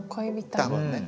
多分ね。